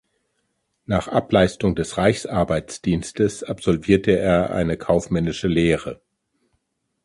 Nach Ableistung des Reichsarbeitsdienstes absolvierte er eine kaufmännische Lehre.